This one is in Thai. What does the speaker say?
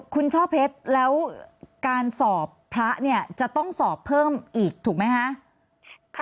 คุณช่อเพชรแล้วการสอบพระเนี่ยจะต้องสอบเพิ่มอีกถูกไหมคะ